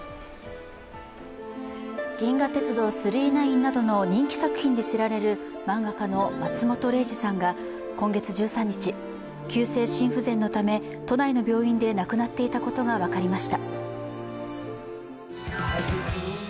「銀河鉄道９９９」などの人気作品で知られる漫画家の松本零士さんが今月１３日、急性心不全のため都内の病院で亡くなっていたことが分かりました。